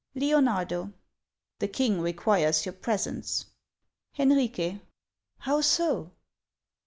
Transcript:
Leonardo. The king requires your presence. Hciirique, How so